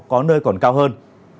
có nơi còn cao hơn